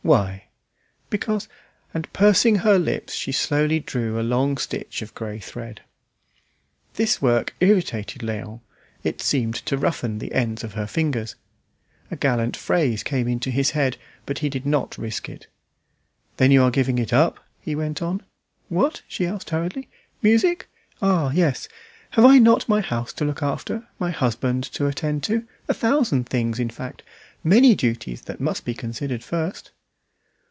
"Why?" "Because " And pursing her lips she slowly drew a long stitch of grey thread. This work irritated Léon. It seemed to roughen the ends of her fingers. A gallant phrase came into his head, but he did not risk it. "Then you are giving it up?" he went on. "What?" she asked hurriedly. "Music? Ah! yes! Have I not my house to look after, my husband to attend to, a thousand things, in fact, many duties that must be considered first?"